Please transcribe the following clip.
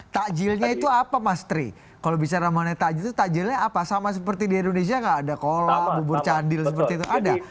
takjilnya itu apa mas tri kalau bicara mengenai takjil itu takjilnya apa sama seperti di indonesia nggak ada kola bubur candil seperti itu ada